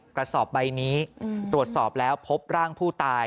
กระสอบใบนี้ตรวจสอบแล้วพบร่างผู้ตาย